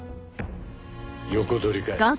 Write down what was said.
横取りかよ。